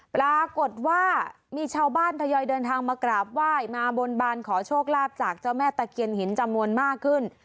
ปรากฏว่ามีชาวบ้านทยอยเดินทางมากราบไหว้มาบนบานขอโชคลาภจากเจ้าแม่ตะเคียนหินจำนวนมากขึ้น